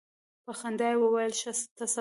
په خندا یې وویل ښه ته صبر.